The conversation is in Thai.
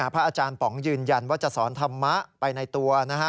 พระอาจารย์ป๋องยืนยันว่าจะสอนธรรมะไปในตัวนะฮะ